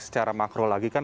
secara makro lagi kan